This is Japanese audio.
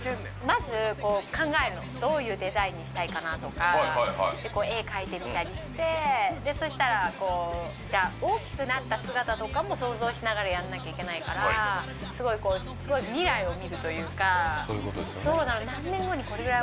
まずこう考えるのどういうデザインにしたいかなとかこう絵描いてみたりしてでそしたらこうじゃあ大きくなった姿とかも想像しながらやんなきゃいけないからすごいこうすごい未来を見るというかそういうことですよね